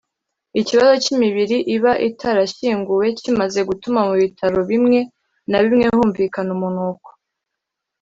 Ikibazo cy’imibiri iba itarashyinguwe kimaze gutuma mu bitaro bimwe na bimwe humvinaka umunuko